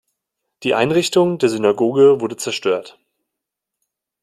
Die Einrichtung der Synagoge wurde zerstört.